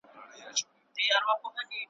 عربي، پاړسي او پښتو ليکلي دي